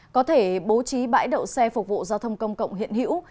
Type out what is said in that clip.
có thể bố trí bãi đậu xe phục vụ giao thông công cộng hiện hữu